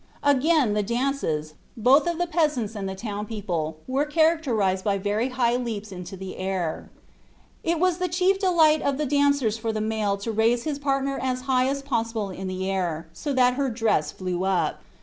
Again, the dances, both of the peasants and the townspeople, were characterized by very high leaps into the air. It was the chief delight of the dancers for the male to raise his partner as high as possible in the air, so that her dress flew up.